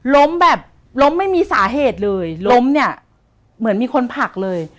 ล้มแบบล้มไม่มีสาเหตุเลยล้มเนี่ยเหมือนมีคนผลักเลย